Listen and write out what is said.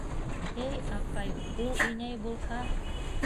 Эй, апай, ул инәй булһа...